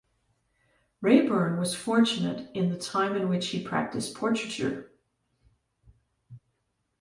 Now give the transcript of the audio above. Raeburn was fortunate in the time in which he practised portraiture.